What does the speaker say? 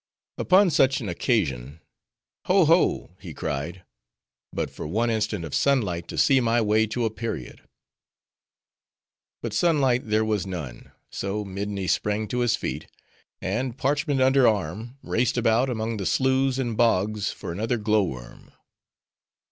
Upon such an occasion, 'Ho, Ho,' he cried; 'but for one instant of sun light to see my way to a period!' But sun light there was none; so Midni sprang to his feet, and parchment under arm, raced about among the sloughs and bogs for another glow worm.